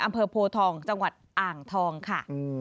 อำเภอโพทองจังหวัดอ่างทองค่ะ